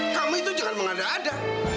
kami itu jangan mengada ada